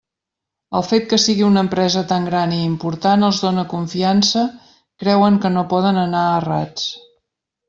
El fet que sigui una empresa tan gran i important els dóna confiança, creuen que no poden anar errats.